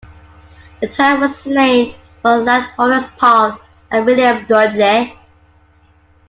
The town was named for landholders Paul and William Dudley.